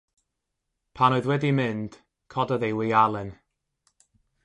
Pan oedd wedi mynd, cododd ei wialen.